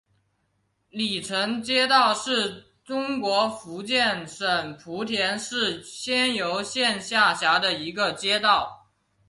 鲤城街道是中国福建省莆田市仙游县下辖的一个街道。